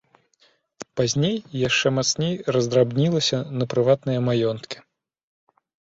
Пазней яшчэ мацней раздрабнілася на прыватныя маёнткі.